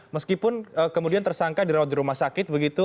meskipun kemudian tersangka dirawat di rumah sakit begitu